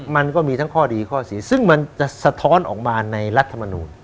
มันก็มีทั้งข้อดีข้อเสียซึ่งมันจะสะท้อนออกมาในรัฐมนูล